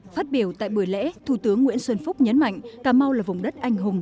phát biểu tại buổi lễ thủ tướng nguyễn xuân phúc nhấn mạnh cà mau là vùng đất anh hùng